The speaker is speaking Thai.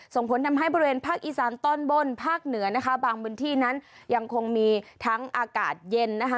ส่งผลทำให้บริเวณภาคอีสานตอนบนภาคเหนือนะคะบางพื้นที่นั้นยังคงมีทั้งอากาศเย็นนะคะ